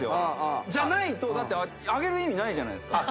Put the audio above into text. じゃないと上げる意味ないじゃないですか。